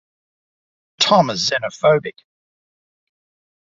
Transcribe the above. Tom is xenophobic.